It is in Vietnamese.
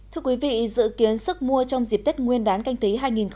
thưa quý vị dự kiến sức mua trong dịp tết nguyên đán canh tí hai nghìn một mươi chín